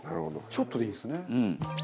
ちょっとでいいんですね。